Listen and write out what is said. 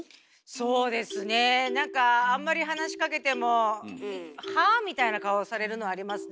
そうですねなんかあんまり話しかけても「はあ？」みたいな顔されるのありますね。